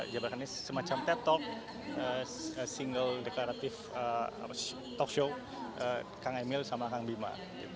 jabatannya semacam ted talk single declarative talk show kang emil sama kang bima